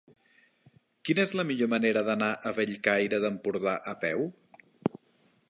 Quina és la millor manera d'anar a Bellcaire d'Empordà a peu?